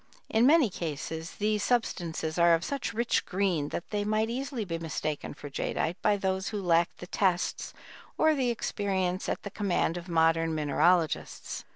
In many cases these substances are of such rich green that they might easily be mistaken for jadeite by those who lacked the tests or the experience at the command of modern mineralogists.